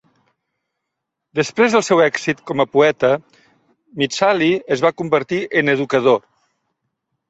Després del seu èxit com a poeta, Mtshali es va convertir en educador.